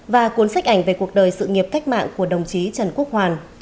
và cuốn sách ảnh về cuộc đời sự nghiệp cách mạng của đồng chí trần quốc hoàn